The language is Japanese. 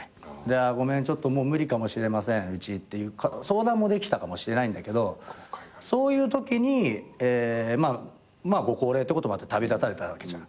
ごめんちょっともう無理かもしれませんうちって相談もできたかもしれないんだけどそういうときにまあご高齢ってこともあって旅立たれたわけじゃん。